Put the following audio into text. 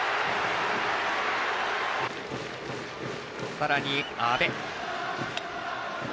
さらに阿部。